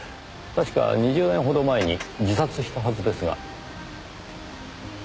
確か２０年ほど前に自殺したはずですが。